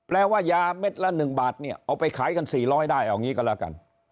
ว่ายาเม็ดละ๑บาทเนี่ยเอาไปขายกัน๔๐๐ได้เอางี้ก็แล้วกัน